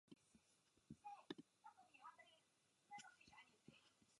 Zvítězil v mnoha národních a mezinárodních soutěžích.